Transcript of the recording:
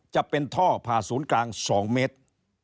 จะเป็นท่อผ่าศูนย์กลาง๒เมตร